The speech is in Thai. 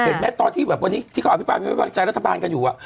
เห็นไหมตอนที่แบบวันนี้ที่เขาอภิกษาใจรัฐบาลกันอยู่อ่ะ